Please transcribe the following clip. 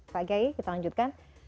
pak geyi kita lanjutkan